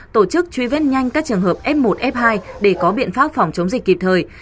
tổ chức truy vết nhanh các trường hợp f một f hai để có biện pháp phòng chống dịch kịp thời